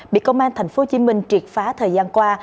bị công an tp hcm triệt phá thời gian qua